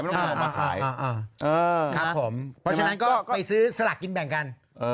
เพราะฉะนั้นก็ไปซื้อสลากกินแบ่งกัน